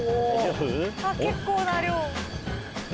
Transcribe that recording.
結構な量。